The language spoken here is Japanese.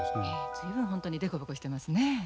随分本当に凸凹してますね。